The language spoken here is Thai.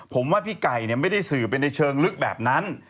ผมว่าพี่ไก่ไม่ได้สื่อไปในเชิงลึกแบบนั้น